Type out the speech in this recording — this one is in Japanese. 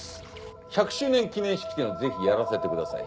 １００周年記念式典をぜひやらせてください。